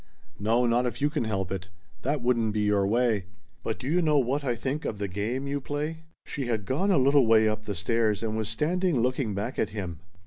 "No, not if you can help it. That wouldn't be your way. But do you know what I think of the 'game' you play?" She had gone a little way up the stairs, and was standing looking back at him.